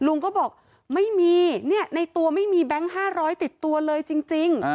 ลุงก็บอกไม่มีในตัวไม่มีแบงค์๕๐๐ติดตัวเลยจริง